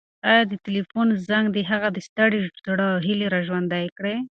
ایا د تلیفون زنګ د هغه د ستړي زړه هیلې راژوندۍ کړې؟